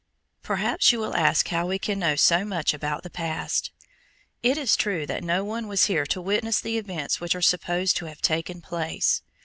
Perhaps you will ask how we can know so much about the past. It is true that no one was here to witness the events which are supposed to have taken place.